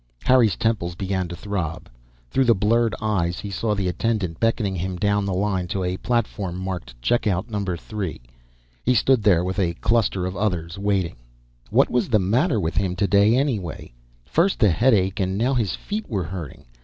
Harry's temples began to throb. Through blurred eyes, he saw the attendant beckoning him down the line to a platform marked Check Out #3. He stood there with a cluster of others, waiting. What was the matter with him today, anyway? First the headache, and now his feet were hurting.